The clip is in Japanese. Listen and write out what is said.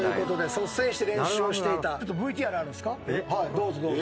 どうぞどうぞ。